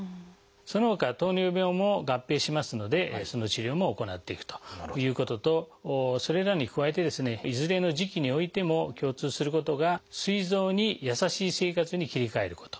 そのほか糖尿病も合併しますのでその治療も行っていくということとそれらに加えてですねいずれの時期においても共通することがすい臓に優しい生活に切り替えること。